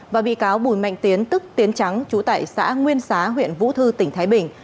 và bị cáo bùi mạnh tiến tức tiến trắng trú tại xã nguyên xá huyện vũ thư tỉnh thái bình